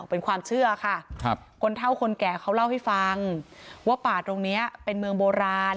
เป็นความเชื่อค่ะคนเท่าคนแก่เขาเล่าให้ฟังว่าป่าตรงนี้เป็นเมืองโบราณ